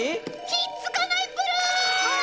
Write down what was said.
ひっつかないプル！